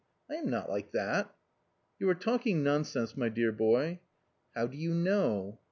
' I am not like that !"" You are talking nonsense, my dear boy." " How do you know